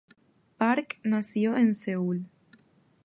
Park nació en Seúl.